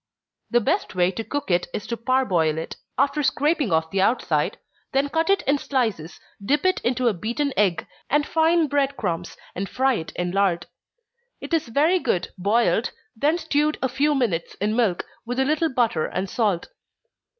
_ The best way to cook it is to parboil it, (after scraping off the outside,) then cut it in slices, dip it into a beaten egg, and fine bread crumbs, and fry it in lard. It is very good boiled, then stewed a few minutes in milk, with a little butter and salt.